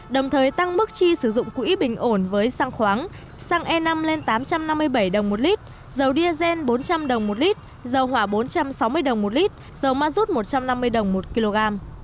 đồng thời tăng mức chi sử dụng quỹ bình ổn với xăng khoáng xăng e năm lên tám trăm năm mươi bảy đồng một lít dầu diesel bốn trăm linh đồng một lít dầu hỏa bốn trăm sáu mươi đồng một lít dầu ma rút một trăm năm mươi đồng một kg